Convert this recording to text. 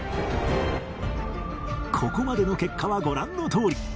ここまでの結果はご覧のとおり